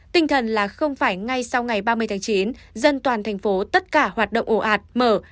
tinh thần là không phải ngay sau ngày ba mươi tháng chín dân toàn thành phố tất cả hoạt động ổ ạt mở